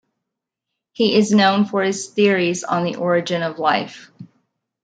He is known for his theories on the origin of life.